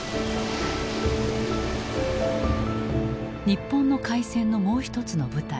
日本の開戦のもう一つの舞台